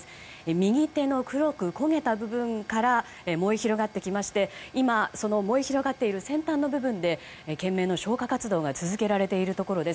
右手の黒く焦げた部分から燃え広がってきまして今、その燃え広がっている先端の部分で懸命な消火活動が続けられているところです。